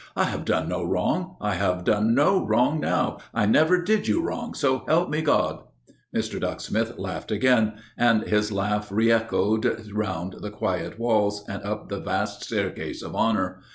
I have done no wrong. I have done no wrong now I never did you wrong, so help me God!" Mr. Ducksmith laughed again, and his laugh re echoed round the quiet walls and up the vast staircase of honour.